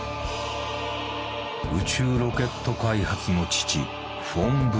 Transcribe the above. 宇宙ロケット開発の父フォン・ブラウン。